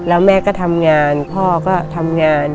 แล้วแม่ก็ทำงานพ่อก็ทำงาน